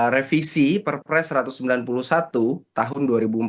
revisi perpres satu ratus sembilan puluh satu tahun dua ribu empat belas